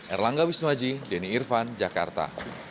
erlangga wisnuaji denny irvan jakarta